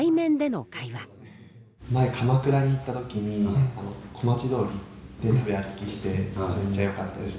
前鎌倉に行った時に小町通りで食べ歩きしてめっちゃよかったです。